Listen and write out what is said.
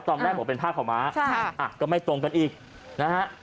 ตอนแรกบอกเป็นผ้าขาวม้าก็ไม่ตรงกันอีกนะฮะ